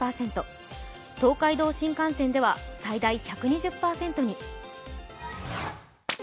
東海道新幹線では最大１２０％に。